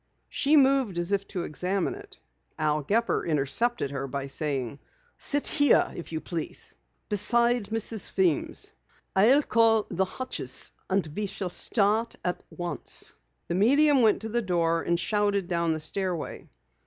She moved as if to examine it. Al Gepper intercepted her by saying: "Sit here, if you please. Beside Mrs. Weems. I'll call the Hodges and we'll start at once." The medium went to the door and shouted down the stairway.